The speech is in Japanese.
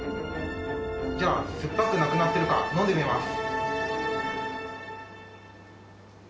では酸っぱくなくなってるか飲んでみます。